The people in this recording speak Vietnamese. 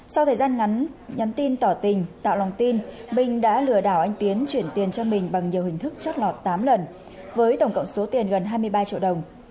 sau thời gian ngắn nhắn tin tỏ tình tạo lòng tin minh đã lừa đảo anh tiến chuyển tiền cho mình bằng nhiều hình thức trót lọt tám lần với tổng cộng số tiền gần hai mươi ba triệu đồng